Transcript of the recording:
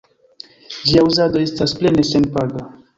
Ĝia uzado estas plene senpaga.